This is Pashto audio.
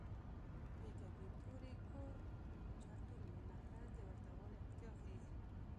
د کږې تورې کوږ چړتون وي متل د ورته والي اړتیا ښيي